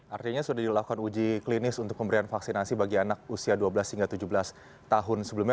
artinya sudah dilakukan uji klinis untuk pemberian vaksinasi bagi anak usia dua belas hingga tujuh belas tahun sebelumnya